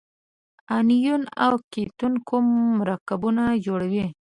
انیون او کتیون کوم مرکبونه جوړوي؟